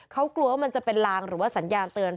เขากลัวว่ามันจะเป็นลางหรือว่าสัญญาณเตือน